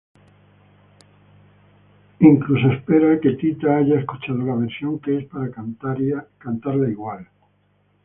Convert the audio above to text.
He incluso espera que Tita haya escuchado la versión que es para cantarla igual.